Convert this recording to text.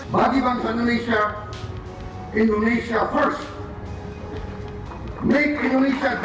bagi bangsa indonesia indonesia first